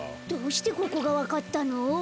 どうしてここがわかったの？